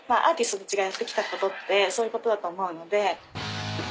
アーティストたちがやってきたことってそういうことだと思うので。